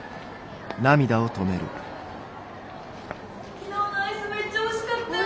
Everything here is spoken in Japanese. ・昨日のアイスめっちゃおいしかったよね。